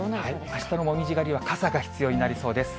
あしたのモミジ狩りは傘が必要になりそうです。